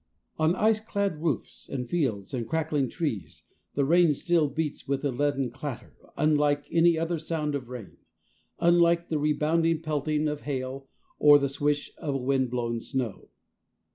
On ice clad roofs and fields and crackling trees the rain still beats with a leaden clatter, unlike any other sound of rain; unlike the rebounding pelting of hail or the swish of wind blown snow.